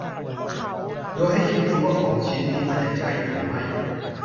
โดยให้คิดดูว่าของชิ้นนี้มันยังใช้อยู่หรือไม่